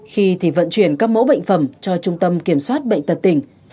khi thì vận chuyển các mẫu bệnh phẩm cho trung tâm kiểm soát bệnh tật tỉnh